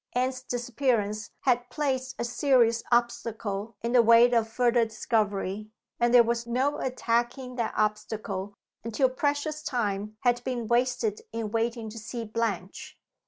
Anne's disappearance had placed a serious obstacle in the way of further discovery; and there was no attacking that obstacle, until precious time had been wasted in waiting to see Blanche.